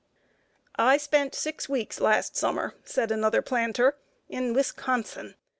] "I spent six weeks last summer," said another planter, "in Wisconsin.